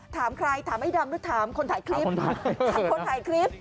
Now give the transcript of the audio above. ถามใครถามไอ้ดำหรือถามคนถ่ายคลิป